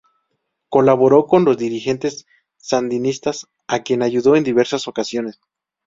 Colaboró con los dirigentes sandinistas a quien ayudó en diversas ocasiones.